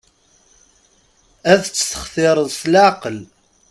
Ad tt-textireḍ s laɛqel.